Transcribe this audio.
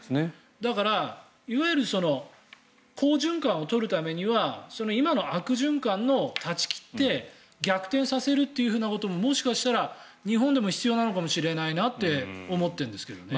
だからいわゆる好循環を取るためには今の悪循環を断ち切って逆転させるということももしかしたら日本でも必要なのかもしれないなと思ってるんですけどね。